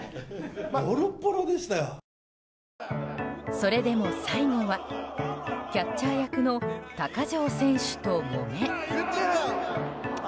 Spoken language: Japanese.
それでも最後はキャッチャー役の高城選手ともめ。